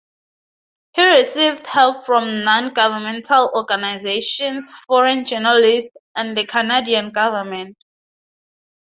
He received help from non-governmental organizations, foreign journalists, and the Canadian government.